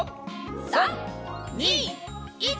３２１。